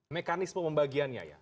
mekanisme pembagiannya ya